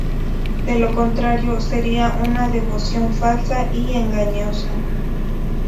De lo contrario, sería una devoción falsa y engañosa.